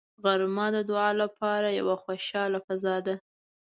غرمه د دعا لپاره یوه خوشاله فضا ده